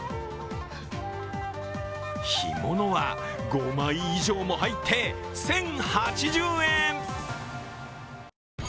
干物は５枚以上も入って１０８０円。